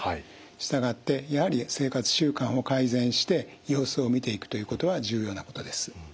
従ってやはり生活習慣を改善して様子を見ていくということは重要なことです。